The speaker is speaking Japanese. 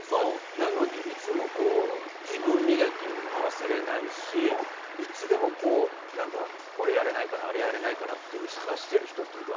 なのにいつも、自分磨きを忘れないし、いつでもなんか、これやれないかな、あれやれないかなって、探してる人というか。